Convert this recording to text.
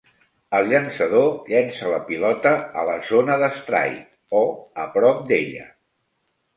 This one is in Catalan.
El llançador llença la pilota a la "zona de strike" o a prop d'ella.